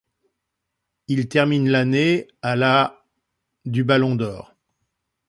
Il termine l'année à la du ballon d'or.